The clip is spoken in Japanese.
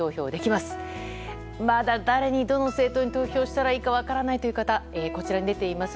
まだ誰に、どの政党に投票したらいいか分からないという人はこちらに出ています